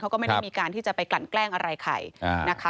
เขาก็ไม่ได้มีการที่จะไปกลั่นแกล้งอะไรใครนะคะ